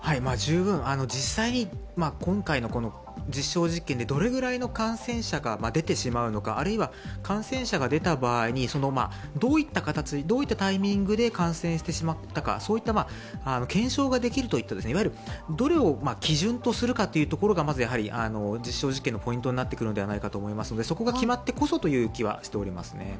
実際に今回の実証実験でどれぐらいの感染者が出てしまうのかあるいは、感染者が出た場合に、どういったタイミングで感染してしまったか検証ができるといった、どれを基準とするかというところが実証実験のポイントになってくるのではないかと思いますのでそこが決まってこそという気はしておりますね。